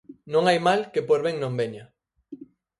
Non hai mal que por ben non veña.